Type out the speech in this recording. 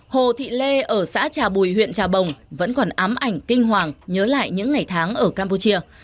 hồ thị lê ở xã trà bùi huyện trà bồng vẫn còn ám ảnh kinh hoàng nhớ lại những ngày tháng ở campuchia